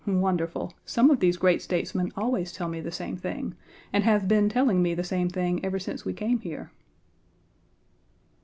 Wonderful! Some of these great statesmen always tell me the same thing and have been telling me the same thing ever since we came here.